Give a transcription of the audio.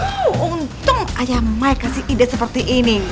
huuu untung ayah mike kasih ide seperti ini